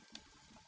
buat siu ya